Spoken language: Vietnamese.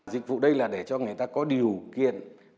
dịch vụ đây là để cho người ta có điều kiện